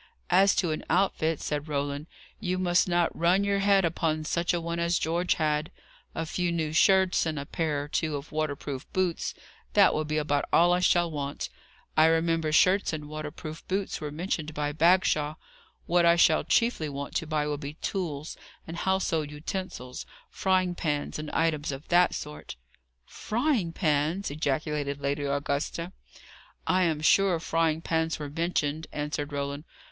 "As to an outfit," said Roland, "you must not run your head upon such a one as George had. A few new shirts, and a pair or two of waterproof boots that will be about all I shall want. I remember shirts and waterproof boots were mentioned by Bagshaw. What I shall chiefly want to buy will be tools, and household utensils: frying pans, and items of that sort." "Frying pans!" ejaculated Lady Augusta. "I am sure frying pans were mentioned," answered Roland.